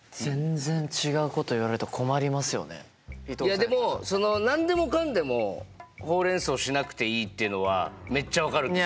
いやでも何でもかんでもホウ・レン・ソウしなくていいっていうのはめっちゃ分かるんですよ。